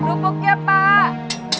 krupuk ya pak